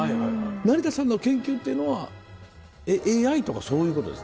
成田さんの研究っていうのはＡＩとかそういうことです？